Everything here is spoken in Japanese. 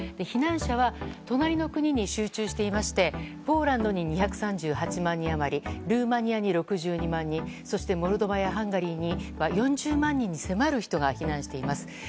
避難者は隣の国に集中していましてポーランドに２３８万人余りルーマニアに６２万人そしてモルドバやハンガリーに４０万人に迫る人が避難しています。